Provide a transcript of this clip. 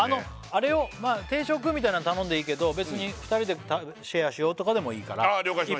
あれよ定食みたいのは頼んでいいけど別に２人でシェアしようとかでもいいから了解しました